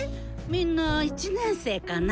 みんな１年生かな？